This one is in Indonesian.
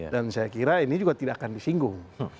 dan saya kira ini juga tidak akan disinggung